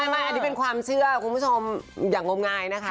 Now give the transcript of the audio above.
ไม่อันนี้เป็นความเชื่อคุณผู้ชมอย่างงมงายนะคะ